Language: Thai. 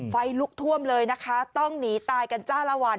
ไฟลุกท่วมเลยนะคะต้องหนีตายกันจ้าละวัน